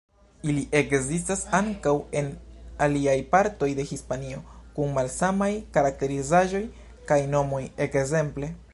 Ili ekzistas ankaŭ en aliaj partoj de Hispanio, kun malsamaj karakterizaĵoj kaj nomoj, ekzemple.